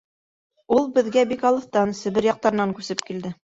Ул беҙгә бик алыҫтан, Себер яҡтарынан күсеп килде...